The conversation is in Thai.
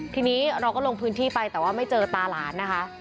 ทีนี้เราก็ลงพื้นที่ไปแต่ว่าไม่เจอตาหลานนะคะ